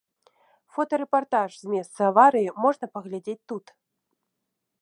Фотарэпартаж з месца аварыі можна паглядзець тут.